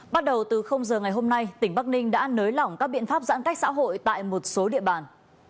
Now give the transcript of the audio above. bắt đầu từ giờ ngày hôm nay tỉnh bắc ninh đã nới lỏng các biện pháp giãn cách xã hội tại một số địa bàn